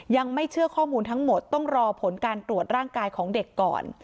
ยังไม่เชื่อข้อมูลทั้งหมดต้องรอผลการตรวจร่างกายของเด็กก่อน